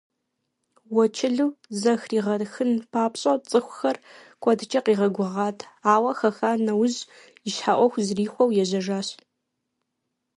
Уэчылу захригъэхын папщӏэ цӏыхухэр куэдкӏэ къигъэгугъат, ауэ хаха нэужь и щхьэ ӏуэху зэрихуэу ежьэжащ.